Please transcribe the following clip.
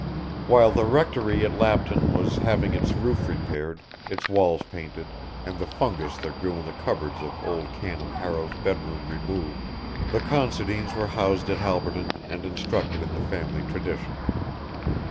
While the Rectory at Lapton was having its roof repaired, its walls painted, and the fungus that grew in the cupboards of old Canon Harrow's bedroom removed, the Considines were housed at Halberton and instructed in the family tradition.